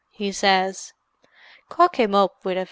he says. Cock him up with a V.